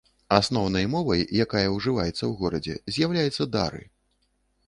Асноўнай мовай, якая ўжываецца ў горадзе, з'яўляецца дары.